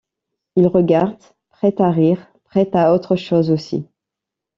Il regarde, prêt à rire ; prêt à autre chose aussi.